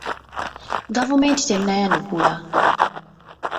Gavumenti tennayanukula.